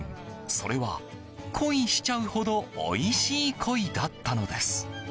それは恋しちゃうほどおいしい鯉だったのです。